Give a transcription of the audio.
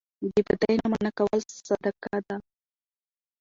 د بدۍ نه منع کول صدقه ده